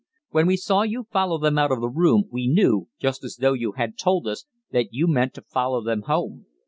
When we saw you follow them out of the room, we knew, just as though you had told us, that you meant to follow them home.